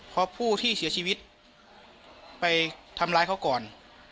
เพราะผู้ที่เสียชีวิตไปทำร้ายเขาก่อน